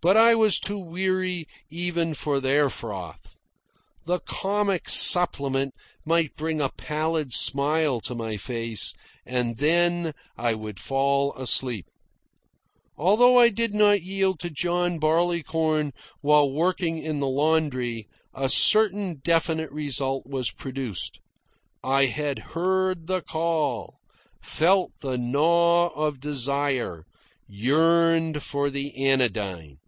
But I was too weary even for their froth. The comic supplement might bring a pallid smile to my face, and then I would fall asleep. Although I did not yield to John Barleycorn while working in the laundry, a certain definite result was produced. I had heard the call, felt the gnaw of desire, yearned for the anodyne.